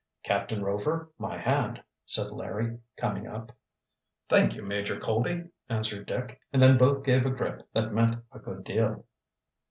"Captain Rover, my hand," said Larry, coming up. "Thank you, Major Colby," answered Dick, and then both gave a grip that meant a good deal.